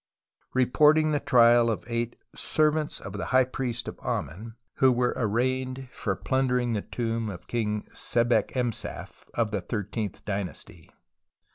reporting the trial of eight "servants of the High Priest of Amen," who were arraigned for plundering the tomb of King Sebekemsaf of the thirteenth dynasty.